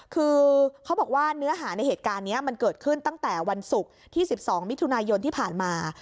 คือเขาบอกว่าเนื้อหาในเหตุการณ์นี้มันเกิดขึ้นตั้งแต่วันศุกร์ที่๑๒มิถุนายนที่ผ่านมา